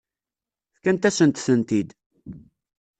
Fkant-asent-tent-id.